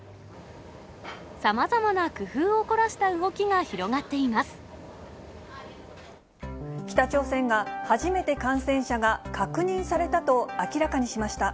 さまざまな工夫を凝らした動北朝鮮が、初めて感染者が確認されたと明らかにしました。